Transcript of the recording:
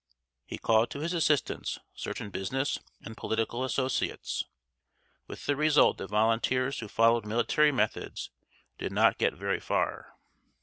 He called to his assistance certain business and political associates, with the result that volunteers who followed military methods did not get very far.